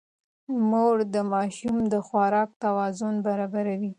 مور د ماشوم د خوراک توازن برابروي.